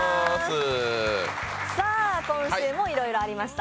さあ、今週もいろいろありました。